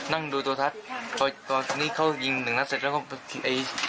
นั่งดูตัวทัศน์พอตอนนี้เขายิงหนึ่งนัดเสร็จแล้วก็ไอ้